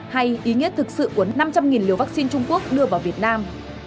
hay ý nghĩa thực sự của năm trăm linh liều vaccine trung quốc đưa vào việt nam